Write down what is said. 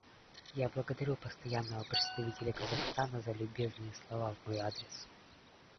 Я благодарю Постоянного представителя Казахстана за любезные слова в мой адрес.